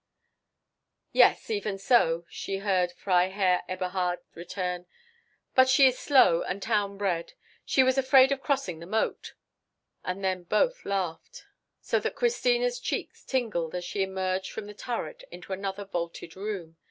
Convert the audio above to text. "Yes, even so," she heard Freiherr Eberhard return; "but she is slow and town bred. She was afraid of crossing the moat." And then both laughed, so that Christina's cheeks tingled as she emerged from the turret into another vaulted room.